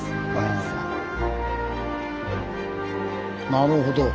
なるほど。